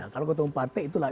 kalau ketua mempartai itulah